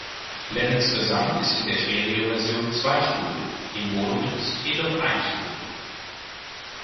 Lennons Gesang ist in der Stereoversion zweispurig, im Monomix jedoch einspurig.